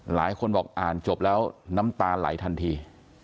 หลายคนบอกอ่านจบแล้วน้ำตาไหลทันที